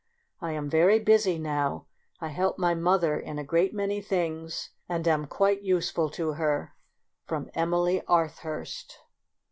I am very busy now. I help my mother in a great many things, and am quite useful to her. From Emily Arthurst.